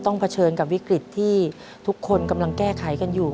เผชิญกับวิกฤตที่ทุกคนกำลังแก้ไขกันอยู่